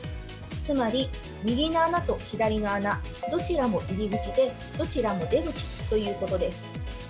つまり右の穴と左の穴どちらも入り口でどちらも出口ということです。